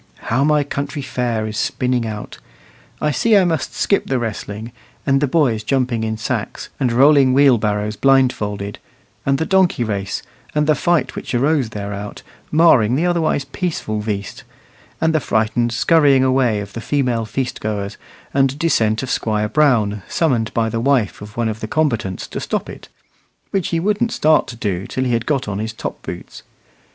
How my country fair is spinning out! I see I must skip the wrestling; and the boys jumping in sacks, and rolling wheelbarrows blindfolded; and the donkey race, and the fight which arose thereout, marring the otherwise peaceful "veast;" and the frightened scurrying away of the female feast goers, and descent of Squire Brown, summoned by the wife of one of the combatants to stop it; which he wouldn't start to do till he had got on his top boots.